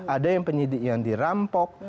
ada yang penyidik yang dirampok